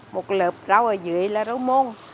một lớp rau ở dưới là rau môn